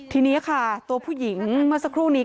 ทีนี้ค่ะตัวผู้หญิงเมื่อสักครู่นี้